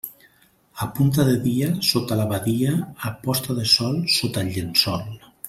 A punta de dia sota l'abadia, a posta de sol sota el llençol.